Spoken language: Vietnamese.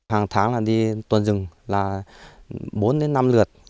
hàng tháng là đi tuần rừng là bốn đến năm lượt